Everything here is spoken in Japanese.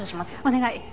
お願い。